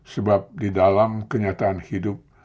sebab di dalam kenyataan hidup